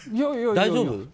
大丈夫？